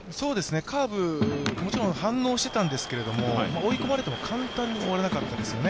カーブ、もちろん反応してたんですけど、追い込まれても簡単に終われなかったですよね。